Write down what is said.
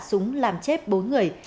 giả súng làm chết bốn người